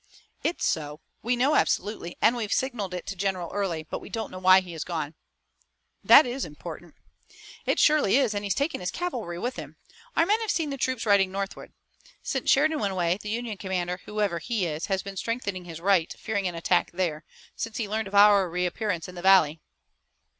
"It's so. We know absolutely, and we've signaled it to General Early. But we don't know why he has gone." "That is important." "It surely is, and he's taken his cavalry with him. Our men have seen the troops riding northward. Since Sheridan went away, the Union commander, whoever he is, has been strengthening his right, fearing an attack there, since he learned of our reappearance in the valley."